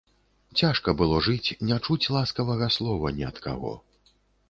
Цяжка было жыць, не чуць ласкавага слова ні ад каго.